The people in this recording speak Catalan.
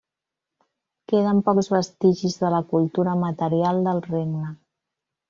Queden pocs vestigis de la cultura material del regne.